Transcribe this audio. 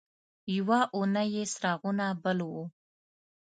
یوه اونۍ یې څراغونه بل وو.